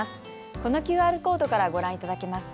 このＱＲコードからご覧いただけます。